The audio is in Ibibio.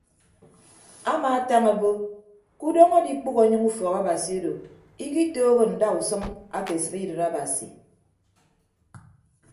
Amaatañ obo ke udọñ adikpʌghọ anyịñ ufọk abasi odo ikitooho ndausʌñ ake sibidịt abasi.